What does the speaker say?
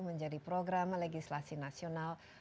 menjadi program legislasi nasional